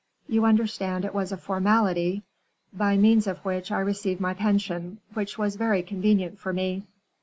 You understand it was a formality, by means of which I received my pension, which was very convenient for me."